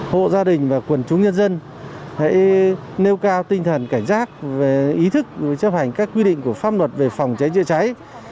hộ gia đình và quần chúng nhân dân hãy nêu cao tinh thần cảnh giác về ý thức chấp hành các quy định của pháp luật về phòng cháy chữa cháy